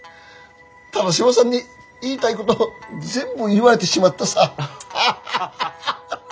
田良島さんに言いたいこと全部言われてしまったさ。